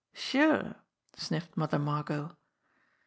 "Sure!" sniffed Mother Margot.